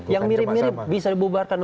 yang mirip mirip bisa dibubarkan